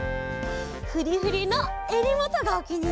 フリフリのえりもとがおきにいりなんだ。